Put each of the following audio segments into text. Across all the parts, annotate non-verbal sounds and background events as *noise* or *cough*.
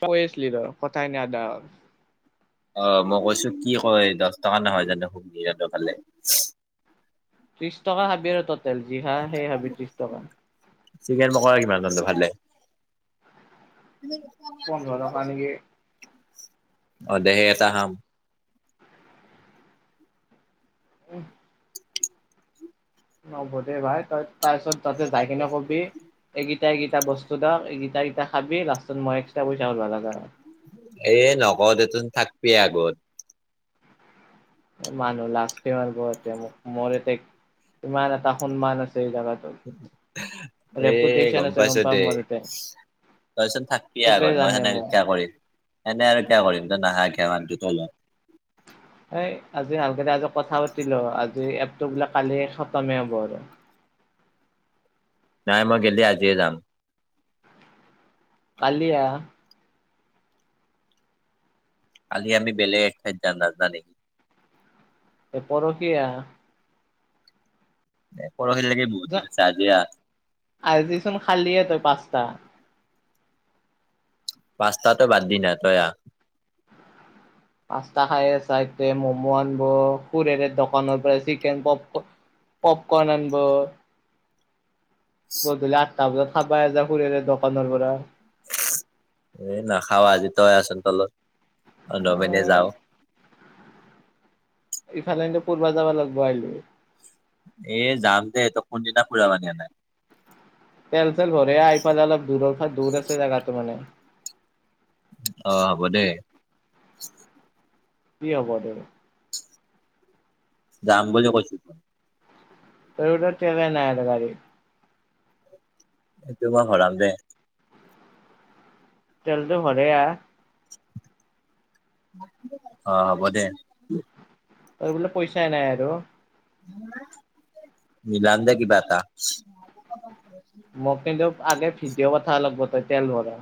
কৈ আছিলি ৰ কথাই ন আদা। অ মই কৈছো কি কয় দহ টকা নহয় জানো খু জানো ভালে। ত্ৰিশ টকা খাবি আৰু টটেল যি খা সেই খাবি ত্ৰিশ টকা। চিকেন পকৰা কিমান জলে ভালে। পুন্ধৰ টকা নেকি? অঁ দেহে‌ এটা আম। উম। নহব দেই ভাই তই তাৰপিছত তাতে যাই কিনে কবি। এইকেইটা এইকেইটা বস্তু দাম এইকেইটা এইকেইটা খাবি লাষ্টত মই এক্সট্ৰা পইচা ওলাম আৰু। এ নক দেচোন থাকবি আগত মানুহ লাজতে মাৰিব‌ এতিয়া মোক মোৰ এতিয়া ইমান এটা সন্মান আছে এই জাগাত এ গম আছে পাইছো পাৱ দে। মোৰ ইয়াতে তইচোন থাকিবিয়ে চবে আগত মই জানে সেনেকে মোক কেতিয়া‌ কৰিম এনেকে আৰু কেতিয়া কৰিম ত‌ই নাহাকে মানুহটো তলত এ আজি ভালকে আজি কথা পাতিলো আজি এপটো বোলে কালিয়ে খতমে হ'ব আৰু। নাই মই গেলি আজিয়ে যাম। কালি আহা কালি আমি বেলে একঠাই যান নাজানা নেকি এ পৰখীয়ে আহা পৰহি লেকে বু যা আজিচোন খালিয়ে তই পাঁচটা পাস্তাতো বাদ দি না তই আ পাস্তা খাই এ চাইতে ম'ম আনব সুৰেৰে দোকানৰ পৰা চিকেন, পপক- পপকন আনব গধূলি আঠটা বজাত খাবা এজা সুৰেৰে দোকানৰ পৰা এ নাখাও আজি তয় আচোন তলত অ এ নমেনে যাওঁ। ইফালে এন্ত পৰবা যাব লাগব আহিলো এ যাম দে তই কোনদিনা ফুৰাব নিয়া নাই তেল চলে হলে আইফজ অলপ দূৰৰ ফা দূৰ আছে জাগা তো মানে অ হ'ব দে কি হ'ব দে যাম বুলি কৈছো আৰু ত তেলেই নাই এটা গাড়ী এইটো মই ভৰাম দে তেলটো ভৰেয়া অ হ'ব দে এই বিলাক পইচাই নাই আৰু মিলাম দে কিবা এটা মোক কিন্তু আগে ভিডিঅ' কথা আলব তই তেল ভৰা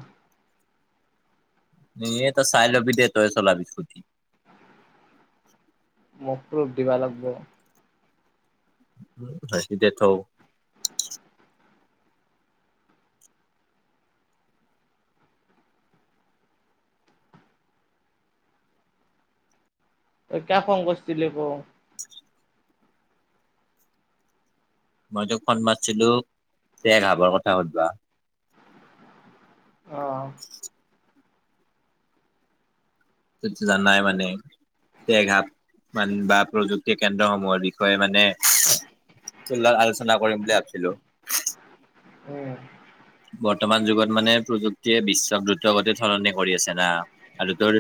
এনেয়ে তই চাই লবি দে তই চলাবিছু *unintelligible* দিবা লাগিব *unintelligible* দে থও অই কা হং কৰিছিলে ক মই তোক ফন্ মাৰছিলো যে ৰাবৰ কথা সুধবা অ টুতো জানাই মানে দে ঘাত মান বা প্ৰযুক্তি কেন্দ্ৰসমূহৰ বিষয়ে মানে চোলাৰ আলোচনা কৰিম বুলি ভাবছিলো উম বৰ্তমান যুগত মানে প্ৰযুক্তিয়ে বিশ্বক দ্ৰুতগতিত সলনি কৰি আছে না আৰু তোৰ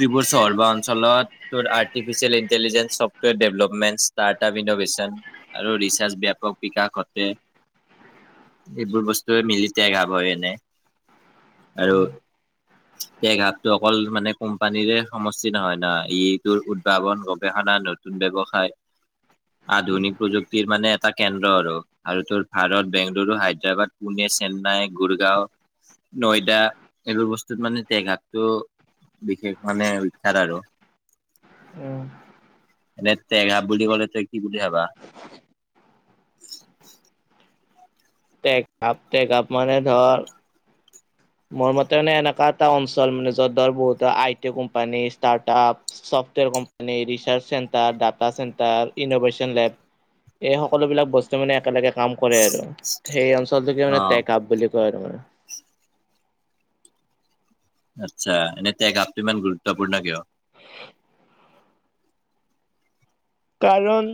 যিবোৰ চহৰ বা অঞ্চলত তোৰ artificial intelligence software development startup innovation আৰু ৰিচাৰ্জ ব্যাপক বিকাশ ঘটে এইবোৰ বস্তু তই মিলিতে গাব হয় এনে আৰু উম, তে ঘাপটো অকল মানে কোম্পানীৰে সমষ্টি নহয় ন ই টোৰ উদ্ভাৱন গৱেষণা নদ- *unintelligible* ব্যৱসায় আধুনিক প্ৰযুক্তিৰ মানে এটা কেন্দ্ৰ আৰু আৰু তোৰ ভাৰত বেংগলুৰু হায়দৰাবাদ পুনে, চেন্নাই, গুুৰগাঁও নৈদা এইবোৰ বস্তুত মানে তেঘাতটো বিশেষ মানে বিখ্যাত আৰু উম, এনে তেঘা বুলি ক'লে তুমি কি বুলি ভাবা? টেকাপ টেকাপ মানে ধৰ মোৰ মতে মানে এনেকুৱা এটা অঞ্চল মানে যত ধৰ বহুত I T company start up software company, research centre, data চেটাৰ, innovation lab এই সকলোবিলাক বস্তু মানে একেলগে কাম কৰে আৰু সেই অঞ্চলটোকে অ মানে টেক আপ বুলি কয় আৰু মানে আচ্ছা এনে টেক আপ ইমান গুৰুত্বপূৰ্ণ কিয়? *inaudible* কাৰণ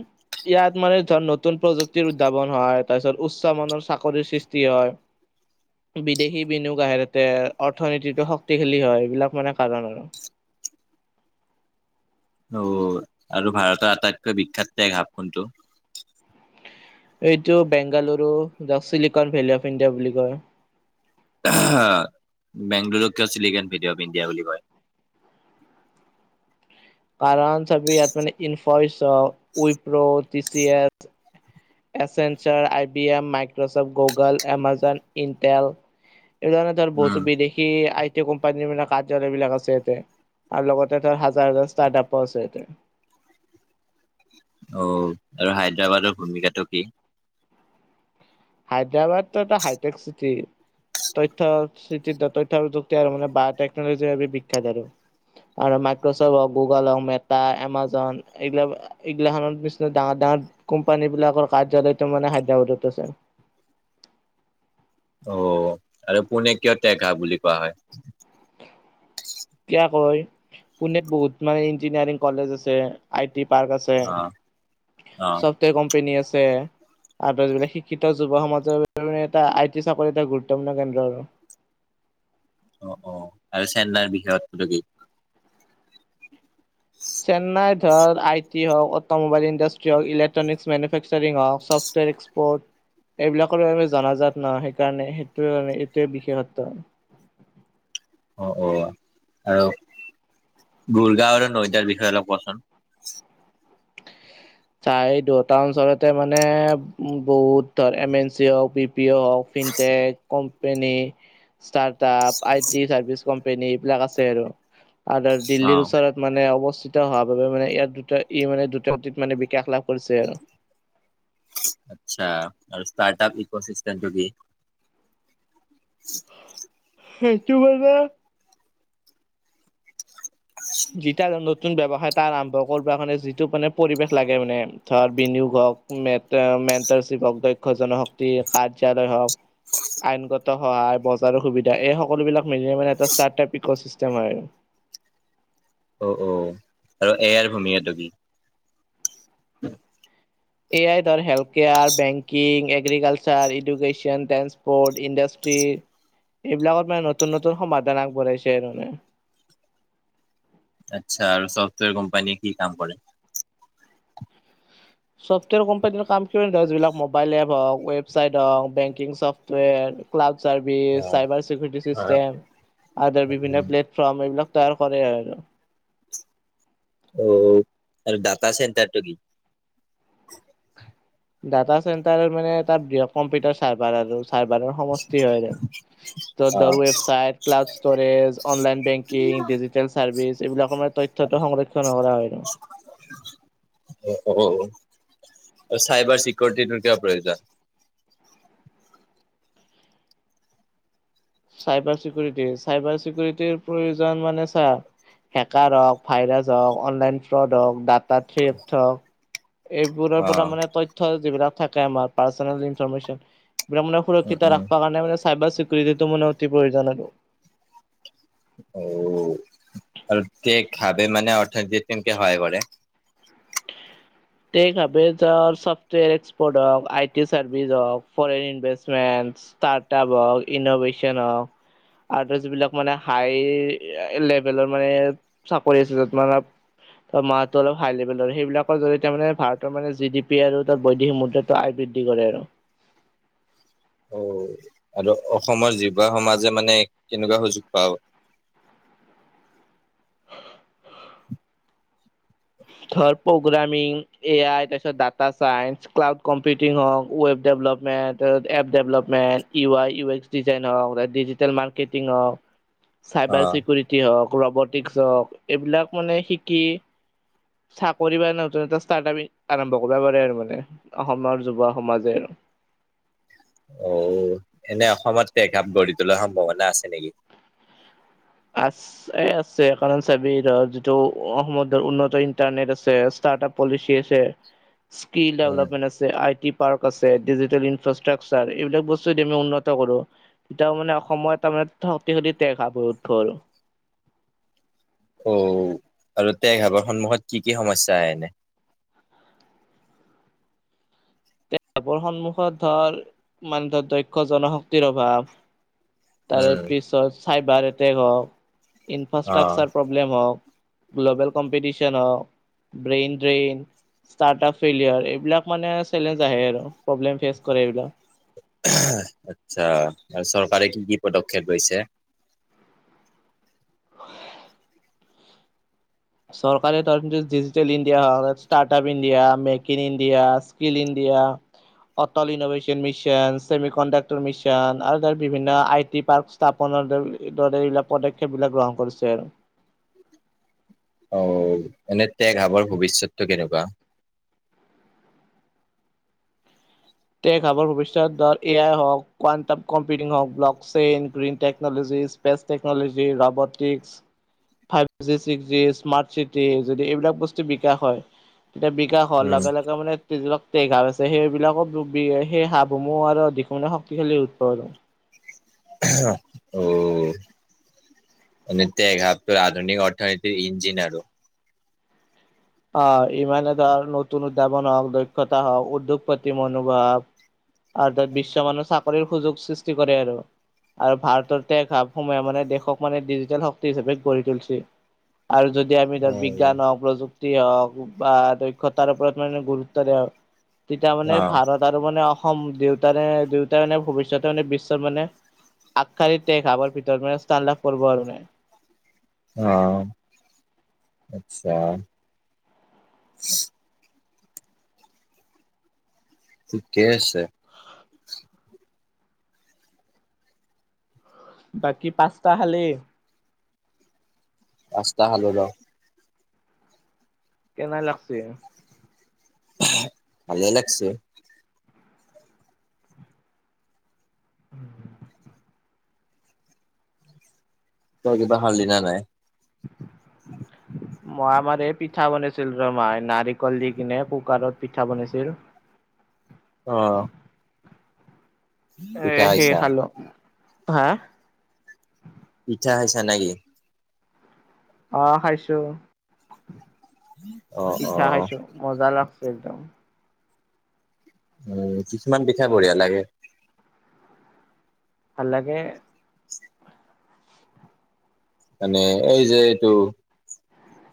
ইয়াত মানে ধৰ নতুন প্ৰযুক্তিৰ উদ্ভাৱন হয় তাৰ পিছত উচ্চ মানৰ চাকৰিৰ সৃষ্টি হয় *inaudible* বিদেশী বিনিয়োগ আহে তাতে অৰ্থনীতিটো শক্তিশালী হয় এইবিলাক মানে কাৰণ আৰু অ' আৰু ভাৰতৰ আটাইতকৈ বিখ্যাত টেক হাব কোনটো? এইটো Bengaluru the silicon valley of India বুলি কই। বেংলৰুক কিয় চিলিকন ভিলী অফ ইণ্ডিয়া বুলি কয়? কাৰণ চাবি ইয়াত মানে Infosys, Wipro, T C S Accenture, I B M, Microsoft, Google, Amazon Intel এই ধৰণে উম, বহুতো বিদেশী আই টি কোম্পানীৰ কাৰ্যালয় বিলাক আছে ইয়াতে। আৰু লগতে ধৰ হাজাৰ হাজাৰ ষ্টাৰ্ট আপো আছে য়াতে অ', আৰু হায়দৰাবাদৰ ভূমিকাটো কি? হায়দৰাবাদটো এটা হাইটেক চিটি তথ্য চিতি তথ্য প্ৰযুক্তি আৰু মানে বায় টেকনলজিৰ বাবে বিখ্যাত আৰু আৰু মাইক্ৰচফ্ট হওক, গুগল হওক, মেটা, এমাজন এইবিলাক এইগিলাখনৰ বিছিনা ডাঙৰ ডাঙৰ কোম্পানী বিলাকৰ কাৰ্যালয়তটো মানে হায়দৰাবাদত আছে। অ', আৰু পোনেক কিয় টেক হাব বুলি কোৱা হয়? কিয়া কয় পুনেত বহুত মানে ইঞ্জিনিয়াৰিং কলেজ আছে। আই টি পাৰ্ক আছে অ' অ' ছফ্টৱেৰ কোম্পেনী আছে। আৰু যিবিলাক শিক্ষিত যুৱ সমাজৰে এটা আই টি চাকৰি এটা গুৰুত্বপূৰ্ণ কেন্দ্ৰ আৰু। অ', অ', আৰু চেন্নাইৰ বিশেষত্ব কি? চেন্নাইত ধৰ আই টি হওক অটমোবাইল এণ্ডষ্ট্ৰী হওক, ইলেকট্ৰনিক মেনুফেকচাৰিং হওক, ছফটৱেৰ এক্সপৰ্ট এইবিলাকৰ কাৰণে জনাজাত ন' সেইকাৰণে সেইটোয়ে হল এইটোৱে বিশেষত্ব অ' অ' আৰু গড়গাঁও আৰু নৈদাৰ বিষয়ে অলপ কোৱাচোন চাই দুটা অঞ্চলতে মানে উম, বহুত ধৰ এম এন চি হওক পিঅ' হওক fintech com *unintelligible* startup I T service company এইবিলাক আছে আৰু আৰু দিল্লীৰ অ' ওচৰত মানে অৱস্থিত হোৱা বাবে মানে ইয়াত দুটা ই মানে দু *unintelligible* মানে বিকাশ লাভ কৰিছে আৰু। আচ্ছা আৰু ষ্টাৰটাপ ইকো চিষ্টেমটো কি? *inaudible* সেইতো মানে যিটা নতুন ব্যৱসায় তাৰ আৰম্ভ কৰিব কাৰণে যিটো মানে পৰিৱেশ লাগে মানে ধৰ বিনিয়োগ হওক - মে মেণ্টাৰশ্বিপ দক্ষ জনশক্তি কাৰ্যালয় হওক - আইনগত সহায় বজাৰৰ সুবিধা এই সকলো বিলাক, মিলিলে মানে এটা ষ্টাৰ্ট টাইপিকৰ চিষ্টম হয়। অ অ, আৰু এ আইৰ ভূমিকা টো কি? *unintelligible* এ আই ধৰ health care, banking, agriculture, education, trench- port, industry এইবিলাকত মানে নতুন নতুন সমাধান আগবঢ়াইছে আৰু মানে। আচ্ছা, আৰু চফ্টৱেৰ কোম্পানীয়ে কি কাম কৰে? চফ্টৱেৰ কোম্পানী নো কাম যিবিলাক মোবাইল এপ হওক, ৱেবছাইট হওঁক, বেংকিং চফ্টৱেৰ - ক্লাব ছাৰ্ভিচ, অ' চাইবাৰ চিকিউৰিটি চিষ্টেম, আদাৰ বিভিন্ন অ' প্লেট- ফ্ৰাম এইবিলাক তৈয়াৰ কৰে আৰু। অ, আৰু ডাটা চেণ্টাৰটো কি? ডাটা চেণ্টাৰ মানে তাত কম্পিউটাৰ চাৰ্ভাৰ আৰু চাৰ্ভাৰ সমষ্টি হয় আৰু। ত ধৰ website, cloud storage, online banking, digital service এইবিলাকৰ মানে তথ্য - তথ্য সংৰক্ষণ কৰা হয় আৰু। অ, আৰু চাইবাৰ চিকিউৰিটিটোৰ কিয় প্ৰয়োজন? চাইবাৰ চিকিউৰিটি, চাইবাৰ চিকিউৰিটিৰ প্ৰয়োজন মানে চা- হেকাৰ হওক, ভাইৰাছ হওক, অনলাইন ফ্ৰড হওক, ডা - টা থ্ৰীএপ হ‌ওক এইবোৰৰ পৰা অ', মানে ত- তথ্য যিবিলাক থাকে আমাৰ পাৰ্ছনেল লিংকছৰ মানে উম, সুৰক্ষিত উম। ৰাখিবৰ কাৰণে চাইবাৰ ছিক- উৰিটিটো মানে অতি প্ৰয়োজন আৰু। অ, আৰু টেগহাবে মানে অৰ্থনীতিযে কেনেকে সহায় কৰে? টেগহাবেছ হ‌ওক চফ্টৱেৰ এক্সপ'ৰ্ট হওক আই টি চাৰ্ভিছ হওক ফৰেন ইনভেষ্টমেন্ট - ষ্টাৰ্টআপ হওক ইন'ভেশ্যন হওক- আৰু যিবিলাক মানে হাই লেভেলৰ মানে চাকৰি আছে যত মানে- দৰমহাটো অলপ হাই লভেলৰ সেইবিলাকৰ জৰিত- তাৰ মানে ভাৰতৰ মানে জি ডি পি আৰু তাৰ বৈদেশিক মুদ্ৰাটো আয় বৃদ্ধি কৰে আৰু। অ, আৰু অসমৰ যুৱসমাজে মানে কেনেকুৱা সুযোগ পাব। ধৰ প্ৰগ্ৰামিং, এ আই, তাৰপিছত ডাটা চাইন্স, ক্লাউড কম্পিউটিং হওক, ৱেব ডেভেলপমেণ্ট - ত app development, U I, U X design হওক, ডিজিটেল মাৰ্কেটিং হ‌ওক- *inaudible* চাইবাৰ চিকউৰিটি হওক, ৰবটিস্ক হওক এইবিলাক মানে শিকি- চাকৰি বা নতুন এটা ষ্টাৰ্ট আমি আৰম্ভ কৰিব পাৰে আৰু মানে অসমৰ যুৱ সমাজে আৰু। অ, এনে অসমত পেক‌আপ গঢ়ি তোলাৰ সম্ভাৱনা আছে নেকি? আছ আছে আছে, কাৰণ চাবি ধৰক যিটো অসমৰ উন্নত ইণ্টাৰনেট আছে ষ্টাৰ্ট আপ পলিচি আছে। *unintelligible* স্কিল উম, ডেভেলপমেণ্ট আছে। আছে, আই টি পাৰ্ক আছে ডিজিটেল ইনফ্ৰাষ্ট্ৰাকচাৰ এইবিলাক বস্তু দি আমি উন্নত কৰো - এতিয়াও মানে অসমৰ তাৰ মানে *unintelligible* অ, আৰু টেগহাবৰ সন্মুখত কি কি সমস্যা আহে এনে? টেগহাবৰ সন্মুখত ধৰ মানে ধৰ দক্ষ জনশক্তিৰ অভাৱ। তাৰে উম, পিছত চাইবাৰ এটেগ হওক অ', ইনফ্ৰাষ্ট্ৰাকচাৰ প- প্ৰব্লেম হওক, গ্লবেল কম্পিটিশন হওক - *unintelligible* যে আৰু প্ৰব্লেম ফেচ কৰে এইবিলাক- আচ্ছা আৰু চৰকাৰে কি কি পদক্ষেপ লৈছে। চৰকাৰী তৰদি ডিজিটেল ইণ্ডিয়া হওক startup India make in India skill India- Atal innovation mission semiconductor mission আৰু ধ বিভিন্ন আই টি পাৰ্ক স্থাপনৰ দৰে এইবিলাক পদক্ষেপ বিলাক গ্ৰহণ কৰিছে আৰু- অ এনে তে গাবৰ ভৱিষ্যতটো কেনেকুৱা। টেক হাৱৰ ভৱিষ্যত ধৰক এ আই হওক কোৱানণ্টাম কম্পিউটিং হওক blockchain green technologies space technology robotics five G six G smart city যদি এইবিলাক বস্তু বিকা হয়। এতিয়া বিকাশ হোৱাৰ উম, লগে লগে মানেবিলাক টঘা আছে সেইবিলাকো। সেই হাঁহ বুমু আৰু দিশুে শক্তিশালী উৎপ অ, তে ঘাবটো আধুনিক অৰ্থনীতিৰ ইণজিনাৰো অ ইমানে ধৰ নতুন উদ্ভাৱন হওক দক্ষতা হওক উদ্যোগপতি মনোভাৱ। আৰু ত বিশ্ব মানুহ চাকৰিৰ সুযোগ সৃষ্টি কৰে আৰু আৰু ভাৰতৰ ভাৱ সমূহে মানে দেশক মানে ডিজিটেল শক্তি হিচাপে গঢ়ি তুলিছে। আৰু যদি য আমি ধৰ বিজ্ঞান হওঁক প্ৰযুক্তি হওঁক বা দক্ষতাৰ ওপৰত মানে গুৰুত্ব দিয়া হয়। তেতিয়া মানে ভাৰত আৰু মানে অসম দেউতাৰে দেউতাই মানে ভৱিষ্যতে মানে বিশ্বত মানে আঠ তাৰিখে ত খাবাৰ ভিতৰত স্থান লাভ কৰিব আৰু- আহ আচ্ছা থিকেই আছে। বাকী পাঁচটা খালি- পাঁচটা খালো ৰ- কেনে লাগছে। ভালে লাগছে। তই কিবা খালি নে নাই। খালো। মই আমাৰ এই পিঠা বনাইছিল ৰ মাই নাৰিকল দি কিনে কুকাৰত পিঠা বনাইছিল। অ এ পিঠা সেই খাইছা খালো হা। পিঠা খাইছা নেকি। অ খাইছো অ অ পিঠা খাইছো মজা লাগিছে একদম উম কিছুমান পিঠা খাই বঢ়িয়া লাগে। ভাল লাগে। মানে এই যে এইটো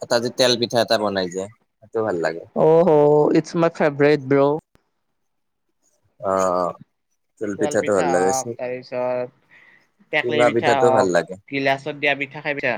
এটা যে তেল পিঠা এটা বনাই যে সেইটো ভাল লাগে। অ হ ইটছ মাই ফেভৰেট ব্ৰ' অ অ, তেল পিঠা হওক তাৰপিছত টেকলি চুঙা পিঠা পিঠাটো ভাল হওক। লাগে গিলাচত দিয়া পিঠা খাই পাইছা।